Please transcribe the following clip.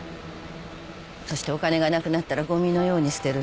そしてお金が無くなったらごみのように捨てる。